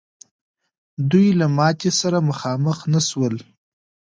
دوی له ماتي سره مخامخ نه سول.